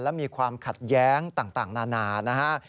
และมีความขัดแย้งต่างนานานะฮะ